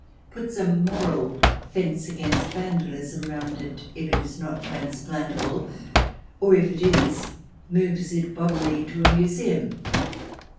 xix puts a moral fence against vandalism round it, if it is not transplantable, or, if it is, moves it bodily to a museum.